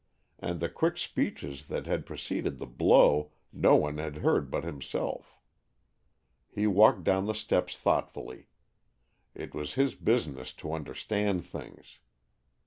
And the quick speeches that had preceded the blow no one had heard but himself. He walked down the steps thoughtfully. It was his business to understand things.